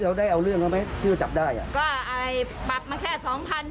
ได้เอาเรื่องแล้วไหมที่เราจับได้อ่ะก็อะไรปรับมาแค่สองพัน